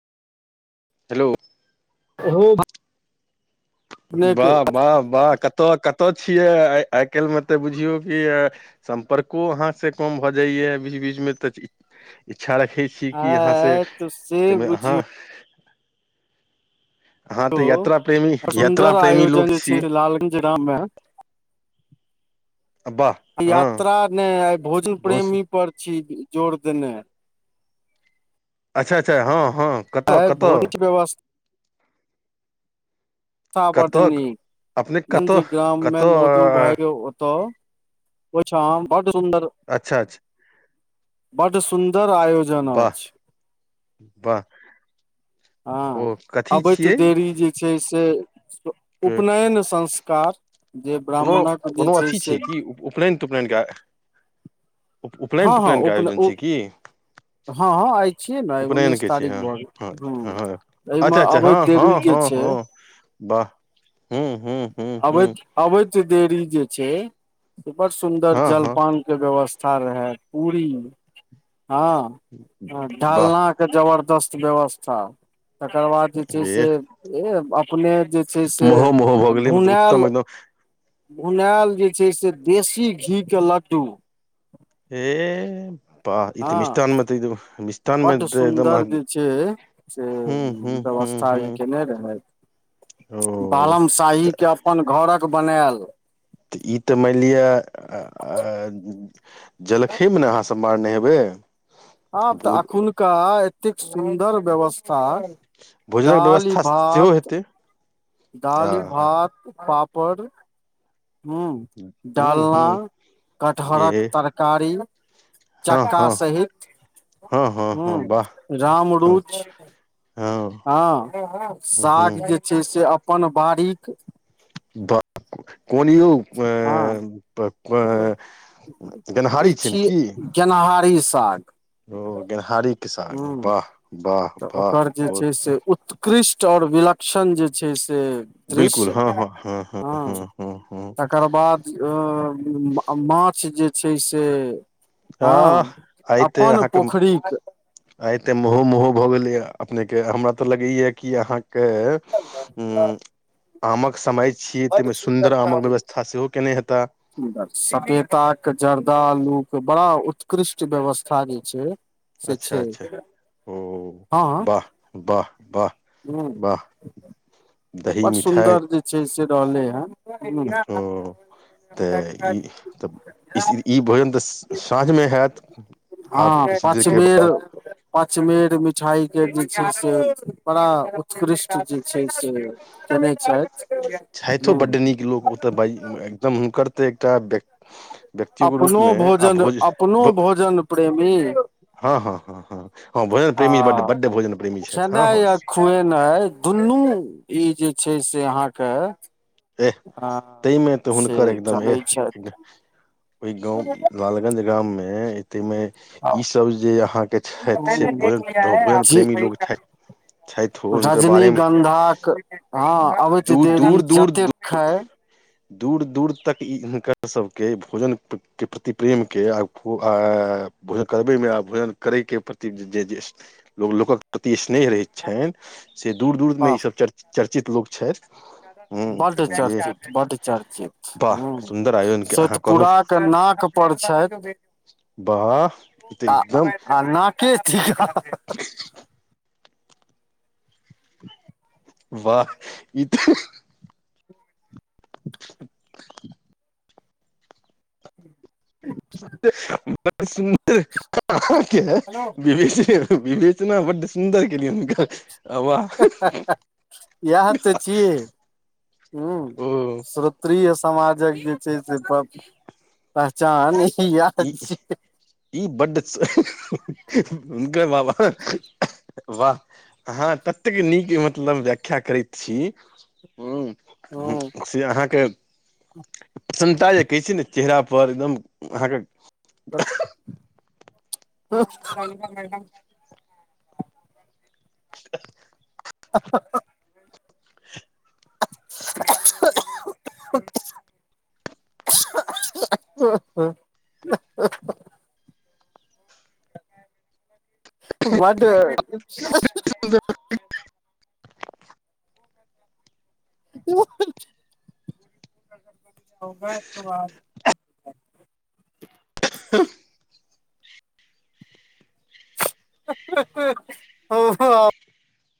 Hello. ह। वाह -वाह -वाह कत- कत। तऽ छियै आइ काल्हि मे तऽ बुझियौ कि सम्पर्को अहाँ से कम भऽ जाइय बीच बीच मे तऽ। इच्छा रखै छी कि यहाँसँ आय त से तहिमे अहाँ। बुझियौ अहाँ तऽ यात्रा प्रेमी, यात्रा सुन्दर प्रेमी लोक आयोजन जे छी। छै लालगंज जिला मे वाह हँ यात्रा नै आय भोजन बहुत सु- प्रेमी पर छी। जोर देनाय। अच्छा-अच्छा हाँ। आइ भोजन के व्यवस्था। बड कतऽ अपने नीक कतऽ लंजगाम मे कतऽ मधु अ, भाय ओतऽ। ओईठाम बड। सुन्दर अच्छा -अच्छा। बड सुन सुन्दर आयोजन वाह अछ, वाह ओ हाँ कथी अबैत छियै देरी जे छै से क- उपनैन संस्कार जे ब्राह्मणक जे छै से त उपनैन के। हाँ-हाँ उपन उ हाँ-हाँ आय छी ये ने आय उपनयन उन्नीस के छी तारीक हँ भ गेल हँ ह्म्म हँ ए मे अच्छा अच्छा अबैत हँ देरी हँ जे हँ छै, हँ वाह हूँ हूँ हूँ हूँ आबैत-आबैत देरी जे छै बड़ सुंदर हँ हँ जल-पान के व्यवस था र है पूरी हाँ-हाँ वाह ढलना के जबरदस्त व्यवस्था। तकर बाद जे छै से ए कुने जे छै से मोहो मोहो अ भऽ गेलै मतलब भुनाएल उत्तम एकदम भुनाएल जे छै से देशी घी के लड्डू हे बाह ई ते मिष्ठान मे ते ई ते मिस बड सुन्दर जे छै से हूँ हूँ हूँ व्यवस्था ई हूँ केने रहै, ओ बालम शाही के अपन घरक बनाएल तऽ ई ते मैन लिया आ अ जलखै मे नै अहां सब मारनै हेबै। अब तऽ भोज अखुनका एतेक सुन्दर व्यवस ता भोजनक दालि, व्यवस्था सेहो भात हेतै आ दाली, भात, पापर। पर। ह हूँ डालना हूँ कटहरक ए तरकारी, हँ चक्का हँ सहित हँ हँ हु हँ वाह राम हँ रुच। हँ हाँ साग हँ जे छै से अप अपन बारीक बा कुन यौ ए प प- इ गेनहारी छियनि छीये की गेनहारी साग। किसान हूं वाह वा तऽ ओकर जे छै से उ उत्कृष्ट आओर विलक्षण जे छै से ते बिलकुल दृश्य हँ हँ हँ हँ ह हँ हँ हँ तकर बाद अ म अ माछ जे छै से ह हँ आय ते अपन अहाके पोखरिक आय त मोहो- मोहो भऽ गेलैया अपनेके हमरा तऽ लगैया कि अहाँ के ऊं आमक समय छी ते मे सुन्दर आमक व्यवस्था सेहो केने हे सुन्दर सपेता क जरदाल लु के बड़ा उत्कृष्ट व्यवस्था जे छै। अच्छा- अच्छा ओ। ह ह वाह वाह वाह हुं वाह दही बड़ मिठाइ सुन्दर जे छै से रहलै है। [unintelligible] ओ तऽ इ तऽ इ भोजन तऽ साँझमे हात आब हँ किछ देर के बाद। मिठाइके जे छै से बड़ा उत्कृष्ट जे छै से केने छैथ। छैथो बड्ड नीक लोक ओ तऽ भइ एकदम हुनकर तऽ [unintelligible] अपनो रूपमे आ भोजन, भोज अपनो भोजन प्रेमी हँ हँ हँ हँ हँ भोजन आ प्रेमी बड्ड बड्ड भोजन प्रेमी छथि हँ खेनाइ हँ आ खुएनाइ दुनु इ जे छै से अहाके एह तै मे तऽ हुनकर एकदम जनै एह ओहि गाँव लालगंज गाम मे हे तहिमे इ सब जे अहाके छैथ से भोजन भोजन छथि प्रेमी लोग छैथ छैथ हुनकर रजनीगंधाक बारेमे दूर दूर दूर खै दूर- दूर तक इ हिनकर सभके भोजन प्र के प्रति प्रेम के आ भो आ भोजन करबेमे आ भोजन करयके प्रति जे जे लोग लोकक प्रति स्नेह रहैत छनि से दूर- दूर मे ई सब चर्चा। चर्चित लोक छथ। बड़ चर्चित बड चर्चित वाह ह सुन्दर आयोजन के अहाँ कहलहुँ सतपुराक के नाक पर छैथ वाह ई तऽ आ एकदम आ नाक के थी अहाँ। [unintelligible] वाह ई तऽ [unintelligible] अहाँ के विवेचना बड्ड सुन्दर केलियै हुनका हा हा हा इएह तऽ छियै हुँ ओ सुत्री समाजक जे छैय से पहचान याह ई छिये। ई बड्ड हुनकर बाबा वाह अहाँ ततेक नीक मतलब व्याख्या करैत छी, हूँ। हूं से अहाँके प्रसन्ता या कैसे ने चेहरा पर पर एकदम अहां के [unintelligible] [unintelligible] [unintelligible] हां हां हां [unintelligible] बड्ड [unintelligible] [unintelligible] [unintelligible] ओ हो